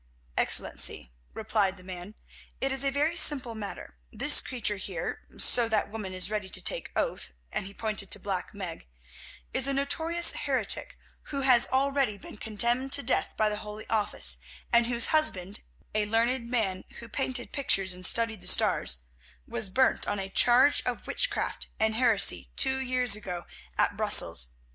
"Excellency," replied the man, "it is a very simple matter. This creature here, so that woman is ready to take oath," and he pointed to Black Meg, "is a notorious heretic who has already been condemned to death by the Holy Office, and whose husband, a learned man who painted pictures and studied the stars, was burnt on a charge of witchcraft and heresy, two years ago at Brussels.